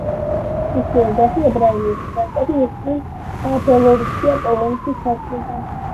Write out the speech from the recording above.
მისი ოჯახი ებრაელი ემიგრანტები იყვნენ ბელორუსია-პოლონეთის საზღვრიდან.